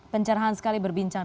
pencerahan sekali berbincang